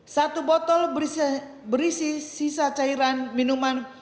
satu botol berisi sisa cairan minuman